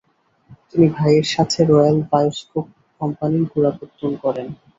তিনি ভাইয়ের সাথে রয়্যাল বায়োস্কোপ কোম্পানির গোড়াপত্তন করেন